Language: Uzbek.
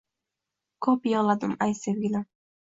Ko’p yig’ladim ay sevgilim.